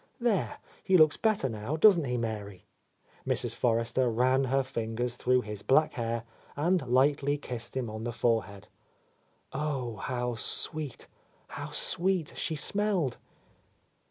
"There, he looks better now, doesn't he, Mary?'' Mrs. Forrester ran her fingers through his black hair and lightly kissed him on the fore head. Oh, how sweet, how sweet she smelled!